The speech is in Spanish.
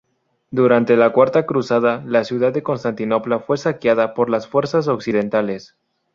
Durante la Cuarta Cruzada, la ciudad de Constantinopla fue saqueada por las fuerzas occidentales.